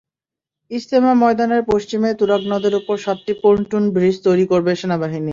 ইজতেমা ময়দানের পশ্চিমে তুরাগ নদের ওপর সাতটি পন্টুন ব্রিজ তৈরি করবে সেনাবাহিনী।